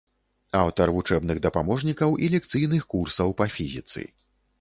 Аўтар вучэбных дапаможнікаў і лекцыйных курсаў па фізіцы.